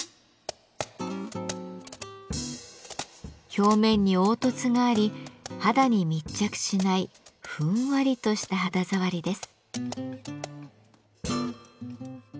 表面に凹凸があり肌に密着しないふんわりとした肌触りです。